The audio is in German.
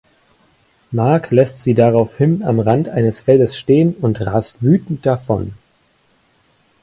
Marc lässt sie daraufhin am Rand eines Feldes stehen und rast wütend davon.